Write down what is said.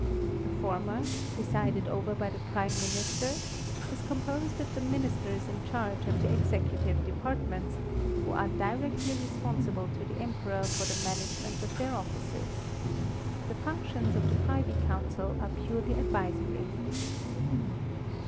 The former, presided over by the prime minister, is composed of the ministers in charge of the executive departments, who are directly responsible to the Emperor for the management of their offices. The functions of the privy council are purely advisory.